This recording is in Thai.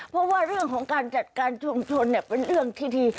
เพราะว่าเรื่องของการจัดการชุมชนเป็นเรื่องที่ดี